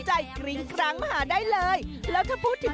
ผัวไปเถินเอาผัวไปเถินเอาผัวไปเถิน